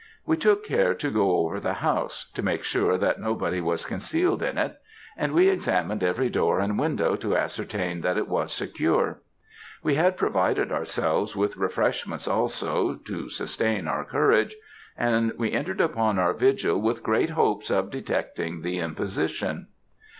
We took care to go over the house, to make sure that nobody was concealed in it; and we examined every door and window to ascertain that it was secure. We had provided ourselves with refreshments also, to sustain our courage; and we entered upon our vigil with great hopes of detecting the imposition.